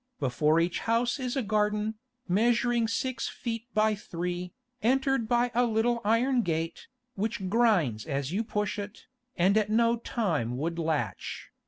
Before each house is a garden, measuring six feet by three, entered by a little iron gate, which grinds as you push it, and at no time would latch.